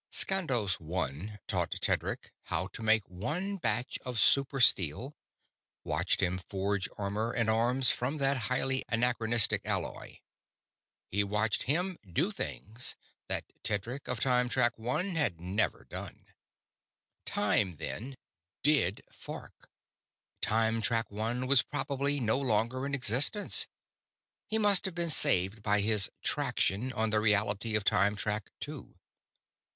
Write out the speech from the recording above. _ _Skandos One taught Tedric how to make one batch of super steel; watched him forge armor and arms from that highly anachronistic alloy. He watched him do things that Tedric of Time Track One had never done._ Time, then, did _fork. Time Track One was probably no longer in existence. He must have been saved by his "traction" on the reality of Time Track Two.